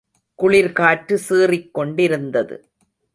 குளிர் காற்று சீறிக் கொண்டிருந்தது.